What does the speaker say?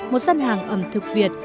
một sân hàng ẩm thực việt